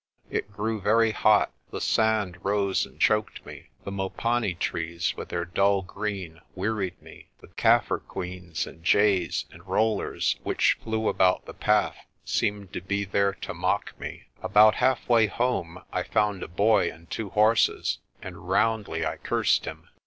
It grew very hot, the sand rose and choked me, the mopani trees with their dull green wearied me, the "Kaffir queens" and jays and rollers which flew about the path seemed to be there to mock me. About half way home I found a boy and two horses, and roundly I cursed him.